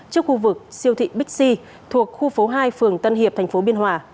trước khu vực siêu thị bixi thuộc khu phố hai phường tân hiệp thành phố biên hòa